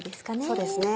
そうですね。